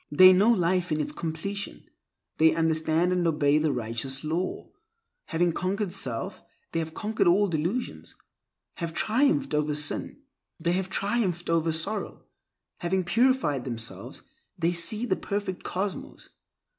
They know life in its completion; they understand and obey the Righteous Law. Having conquered self, they have conquered all delusions; have triumphed over sin, they have triumphed over sorrow; having purified themselves, they see the Perfect Cosmos.